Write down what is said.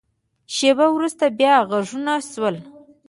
شیبه وروسته، بیا غږونه شول.